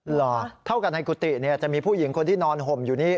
เหรอเท่ากันในกุฏิจะมีผู้หญิงคนที่นอนห่มอยู่นี่